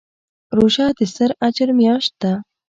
روژه د ستر اجر میاشت ده.